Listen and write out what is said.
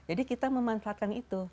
nah jadi kita memanfaatkan itu